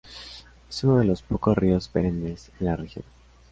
Es uno de los pocos ríos perennes en la región.